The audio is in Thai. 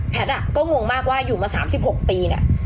ก็งงมากว่าอยู่มา๓๖ปีเนี่ย